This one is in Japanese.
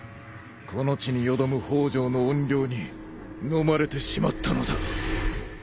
この地によどむ北条の怨霊にのまれてしまったのだ。